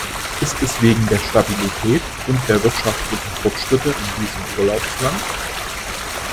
Ist es wegen der Stabilität und der wirtschaftlichen Fortschritte in diesem Urlaubsland?